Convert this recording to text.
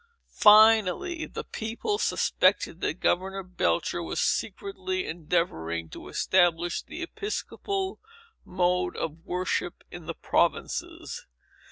Finally, the people suspected that Governor Belcher was secretly endeavoring to establish the Episcopal mode of worship in the provinces.